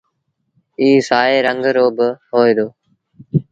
ائيٚݩ سآئي رنگ رو با هوئي دو۔